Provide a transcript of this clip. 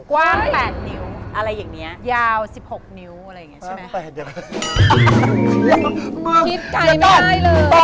ความ๘เนิ้วอะไรอย่างนี้ยาว๑๖เน้วอะไรแบบนี้ใช่ไหมพูดใจมัยเลย